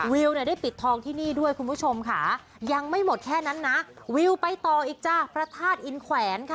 วิวเนี่ยได้ปิดทองที่นี่ด้วยคุณผู้ชมค่ะยังไม่หมดแค่นั้นนะวิวไปต่ออีกจ้ะพระธาตุอินแขวนค่ะ